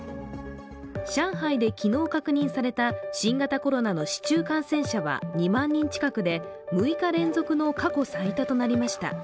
上海で昨日確認された新型コロナウイルスの市中感染者は２万人近くで、６日連続の過去最多となりました。